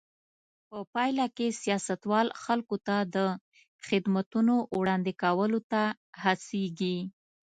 په پایله کې سیاستوال خلکو ته د خدمتونو وړاندې کولو ته هڅېږي.